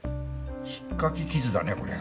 引っかき傷だねこりゃ。